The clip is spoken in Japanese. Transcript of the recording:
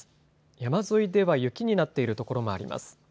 山沿いでは雪になっているところもあります。